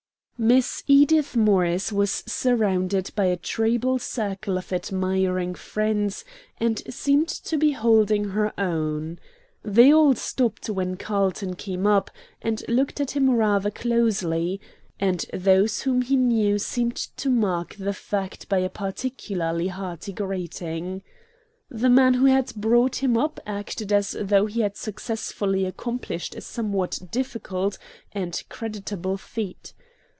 Miss Edith Morris was surrounded by a treble circle of admiring friends, and seemed to be holding her own. They all stopped when Carlton came up, and looked at him rather closely, and those whom he knew seemed to mark the fact by a particularly hearty greeting. The man who had brought him up acted as though he had successfully accomplished a somewhat difficult and creditable feat.